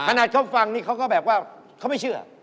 ขนาดเขาฟังนี่เขาก็แบบว่าเขาไม่เชื่อ